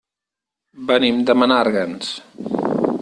Venim de Menàrguens.